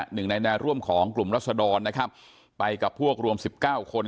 หนึ่งในแนวร่วมของกลุ่มรัศดรนะครับไปกับพวกรวมสิบเก้าคน